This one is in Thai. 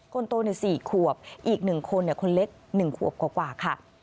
คนโตใน๔ขวบอีก๑คนคนเล็ก๑ขวบกว่าค่ะ